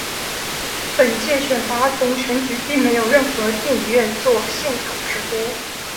本届选拔总选举并没有任何电影院作现场直播。